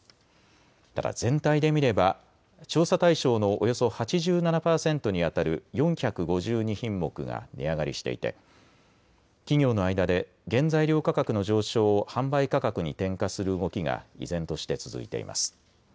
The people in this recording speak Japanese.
ただ全体で見れば調査対象のおよそ８７％にあたる４５２品目が値上がりしていて企業の間で原材料価格の上昇を販売価格に転嫁する動きが依然として続いています。